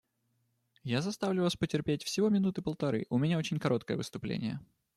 Я заставлю вас потерпеть всего минуты полторы, у меня очень короткое выступление.